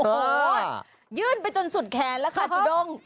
โอ้โหยื่นไปจนสุดแขนแล้วค่ะจูด้ง